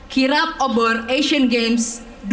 kirab obor asian games